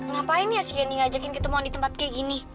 ngapain ya si candy ngajakin kita mau di tempat kayak gini